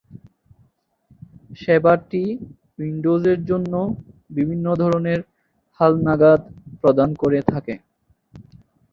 সেবাটি উইন্ডোজের জন্য বিভিন্ন ধরনের হালনাগাদ প্রদান করে থাকে।